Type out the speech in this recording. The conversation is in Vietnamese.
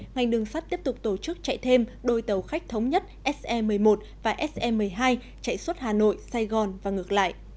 ngành đường sắt tiếp tục tổ chức chạy thêm đôi tàu khách thống nhất se một mươi một và se một mươi hai chạy suốt hà nội sài gòn và ngược lại